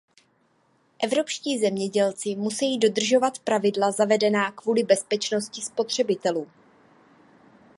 Evropští zemědělci musejí dodržovat pravidla zavedená kvůli bezpečnosti spotřebitelů.